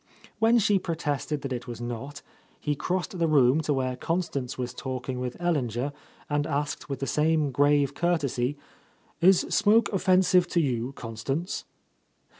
When she protested that it was not, he crossed the room to where Constance was talking with Ellinger and asked with the same grav« courtesy, "Is smoke offensive to you, Constance?"